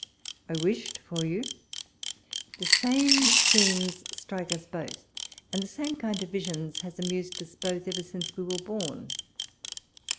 I wished for you ; the same scenes strike us both, and the same kind of visions has amused us both ever since we were born.